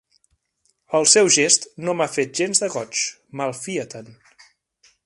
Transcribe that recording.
El seu gest no m'ha fet gens de goig: malfia-te'n!